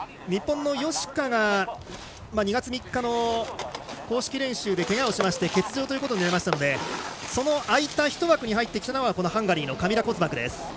日本の芳家が２月３日の公式練習でけがをしまして欠場ということになりましたのでその空いた１枠に入ってきたのがハンガリーのカミラ・コズバクです。